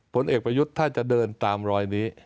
ผลเอกประยุทธ์ถ้าจะเดินตามรอยนี้